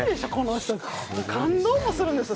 感動もするんですよ。